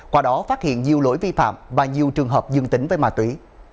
qua đó phát hiện nhiều lỗi vi phạm và nhiều trường hợp dương tính với ma túy